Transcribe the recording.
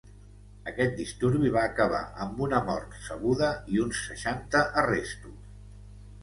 Aquest disturbi va acabar amb una mort sabuda i uns seixanta arrestos.